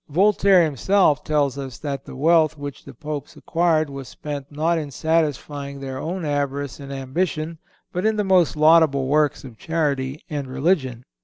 Voltaire himself tells us that the wealth which the Popes acquired was spent not in satisfying their own avarice and ambition, but in the most laudable works of charity and religion.